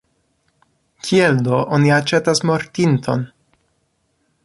Kiel do oni aĉetas mortinton?